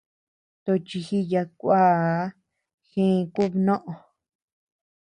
Tochi jììya kuaa, jee kubnoʼö.